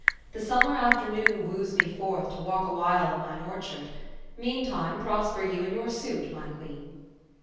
The summer afternoon wooes me forth, to walk awhile in mine orchard. Meantime, prosper you in your suit, my queen."